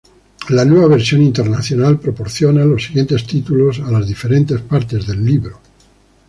La Nueva Versión Internacional proporciona los siguientes títulos a las diferentes partes del libro.